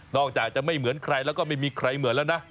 อกจากจะไม่เหมือนใครแล้วก็ไม่มีใครเหมือนแล้วนะ